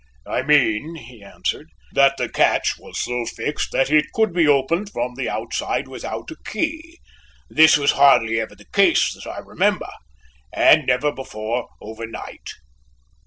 "I mean," he answered, "that the catch was so fixed that it could be opened from the outside without a key. This was hardly ever the case that I remember, and never before over night."